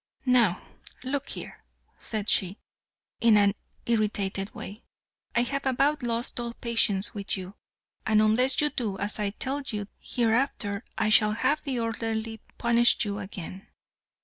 "Now look here," said she, in an irritated way, "I have about lost all patience with you, and unless you do as I tell you hereafter I shall have the orderly punish you again."